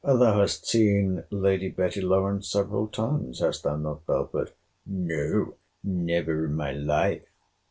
Thou hast seen Lady Betty Lawrance several times—hast thou not, Belford? No, never in my life.